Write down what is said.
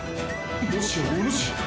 もしやおぬし。